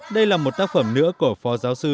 đây là một tác phẩm nữa của phó giáo sư